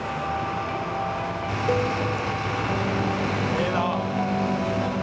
ええな。